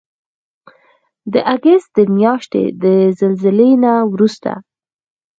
د اګست د میاشتې د زلزلې نه وروسته